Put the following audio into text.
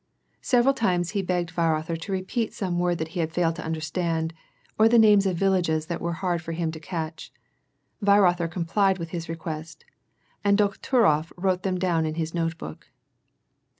Sev eral times he begged Weirother to repeat some word that he had failed to understand, or the names of villages that were hard for him to catch. Weirother complied with his request, and Dokhturof wrote them down in his notebook.